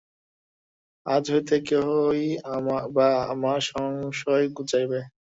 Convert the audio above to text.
আজ হইতে কেই বা আমার সংশয় ঘুচাইবে!